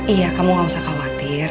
iya kamu gak usah khawatir